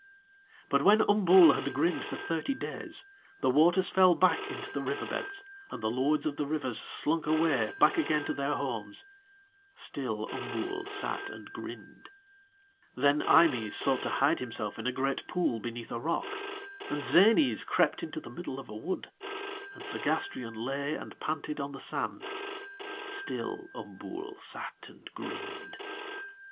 But when Umbool had grinned for thirty days the waters fell back into the river beds and the lords of the rivers slunk away back again to their homes: still Umbool sat and grinned. Then Eimës sought to hide himself in a great pool beneath a rock, and Zänës crept into the middle of a wood, and Segástrion lay and panted on the sand still Umbool sat and grinned.